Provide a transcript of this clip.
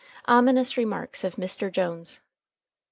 OMINOUS REMARKS OF MR. JONES.